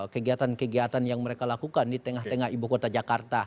kegiatan kegiatan yang mereka lakukan di tengah tengah ibu kota jakarta